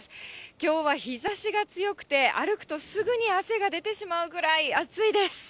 きょうは日ざしが強くて、歩くとすぐに汗が出てしまうぐらい暑いです。